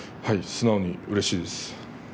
素直にうれしいです。